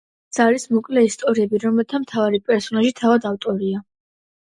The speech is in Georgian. ეს არის მოკლე ისტორიები, რომელთა მთავარი პერსონაჟი თავად ავტორია.